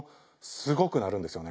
すごく鳴るんですよね。